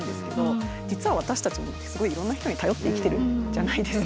実は私たちもすごいいろんな人に頼って生きてるじゃないですか。